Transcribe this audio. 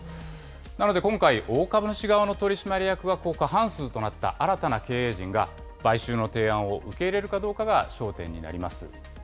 なので今回、大株主側の取締役が過半数となった新たな経営陣が、買収の提案を受け入れるかどうかが焦点になります。